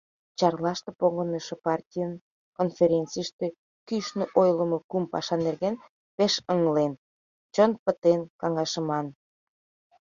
Чарлаште погынышо партийный конференцийыште кӱшнӧ ойлымо кум паша нерген пеш ыҥлен, чон пытен каҥашыман.